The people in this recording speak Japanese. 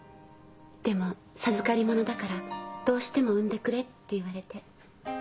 でも「授かりものだからどうしても産んでくれ」って言われて。